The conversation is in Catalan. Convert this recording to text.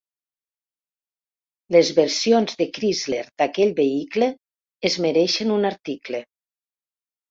Les versions de Chrysler d'aquell vehicle es mereixen un article.